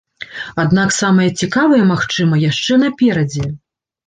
Аднак самае цікавае, магчыма, яшчэ наперадзе.